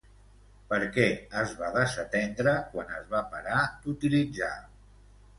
Per què es va desatendre quan es va parar d'utilitzar?